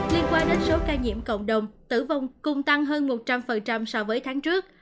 liên quan đến số ca nhiễm cộng đồng tử vong cùng tăng hơn một trăm linh so với tháng trước